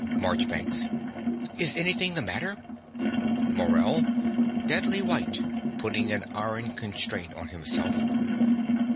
MARCHBANKS. Is anything the matter? MORELL (deadly white, putting an iron constraint on himself).